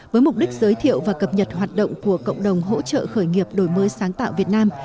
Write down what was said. với mục đích giới thiệu và cập nhật hoạt động của cộng đồng hỗ trợ khởi nghiệp đổi mới sáng tạo việt nam